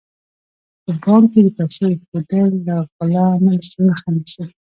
په بانک کې د پیسو ایښودل له غلا مخه نیسي.